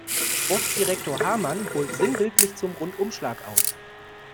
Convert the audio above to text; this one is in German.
Sportdirektor Hamann holt sinnbildlich zum Rundumschlag aus.